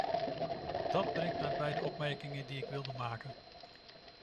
Dat brengt mij bij de opmerkingen die ik wilde maken.